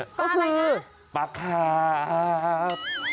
ปลาอะไรนะปลาขาบ